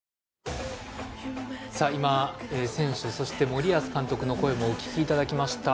今、選手、そして森保監督の声もお聞きいただきました。